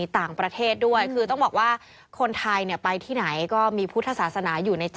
ทั้ง๕ภาคของบ้านเรา